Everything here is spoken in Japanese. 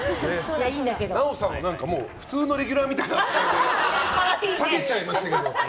奈緒さんを普通のレギュラーみたいに下げちゃいましたけど。